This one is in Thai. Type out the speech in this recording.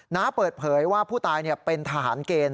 น้าเปิดเผยว่าผู้ตายเป็นทหารเกณฑ์